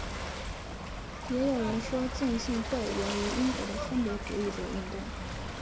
也有人说浸信会源于英国的分别主义者运动。